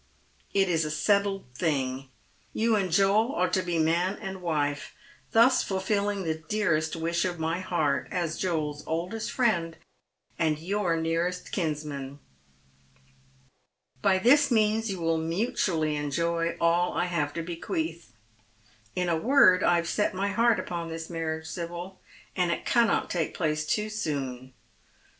It is a settled thing. You and Joel are to be man and wife, thus fulfilling the dearest wish of my heart, as Joel's oldest friend and your nearest kinsman. By this means you will mutually enjoy all I have to bequeath. In a word, I have set my heart upon this marriage, Sibyl, and it cannot take place too soon.